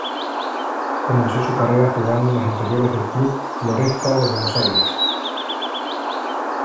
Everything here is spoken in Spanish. Comenzó su carrera jugando en las inferiores del Club Floresta de Buenos Aires.